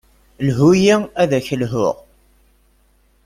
Lhu-yi ad ak-lhuɣ.